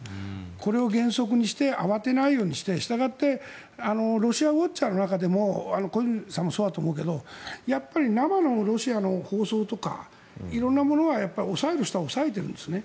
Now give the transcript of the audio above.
これを原則にして慌てないようにしてしたがってロシアウォッチャーの中でも小泉さんもそうだと思うけど生のロシアの放送とか色んなものは押さえる人は押さえているんですね。